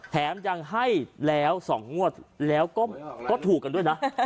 แถมยังให้แล้ว๒งวดแล้วก็ถูกกันด้วยนะ